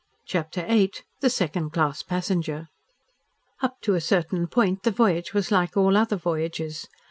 CHAPTER VIII THE SECOND CLASS PASSENGER Up to a certain point the voyage was like all other voyages.